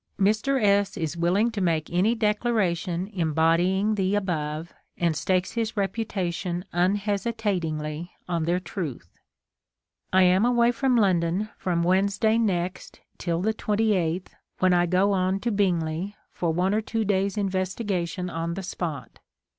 Mr. S. is willing to make 31 THE COMING OF THE FAIRIES any declaration embodying the above and stakes his reputation unhesitatingly on their truth. I am away from London from Wednes day next till the 28th when I go on to Bing ley for one or two days' investigation on the spot.